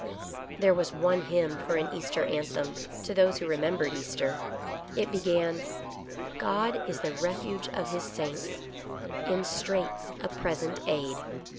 There was one hymn for an Easter anthem, to those who remembered Easter. It began :" God is the refuge of His saints, In straits a present aid."